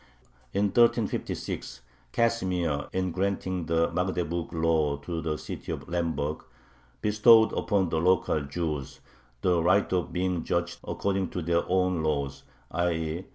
In 1356 Casimir, in granting the Magdeburg Law to the city of Lemberg, bestowed upon the local Jews the right "of being judged according to their own laws," _i.